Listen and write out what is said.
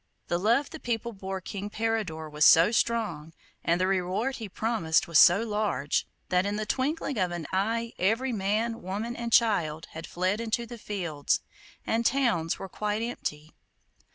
The love the people bore King Peridor was so strong, and the reward he promised was so large, that in the twinkling of an eye every man, woman, and child had fled into the fields, and the towns were quite empty.